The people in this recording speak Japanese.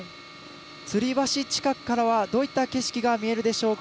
つり橋近くからは、どういった景色が見えるでしょうか。